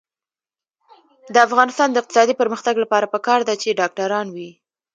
د افغانستان د اقتصادي پرمختګ لپاره پکار ده چې ډاکټران وي.